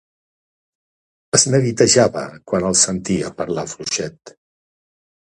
Es neguitejava quan els sentia parlar fluixet.